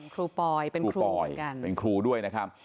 ครูปอยเป็นครูด้วยนะครับ